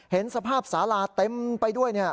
เห็นสภาพสาราเต็มไปด้วย